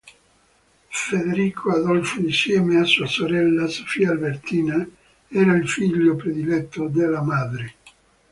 Federico Adolfo, insieme a sua sorella Sofia Albertina, era il figlio prediletto della madre.